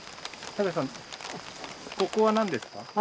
ここは何ですか？